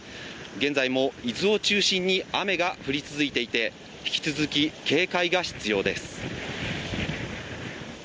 現在も伊豆を中心に雨が降り続いていて、引き続き警戒が必要です。